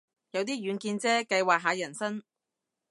有啲遠見啫，計劃下人生